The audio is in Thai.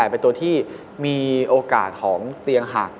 เป็นตัวที่มีโอกาสของเตียงหัก